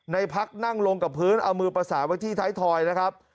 ในพักนั่งลงกับพื้นเอามือประสานไว้ที่ท้ายทอยนะครับ